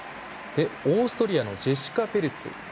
オーストリアのジェシカ・ピルツ。